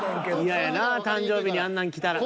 嫌やな誕生日にあんなん来たら。